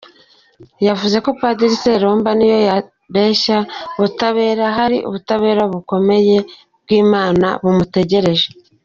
Yavuze ko Padiri Seromba n’iyo yabeshya ubutabera, hari ubutabera bukomeye bw’Imana bumutegereje.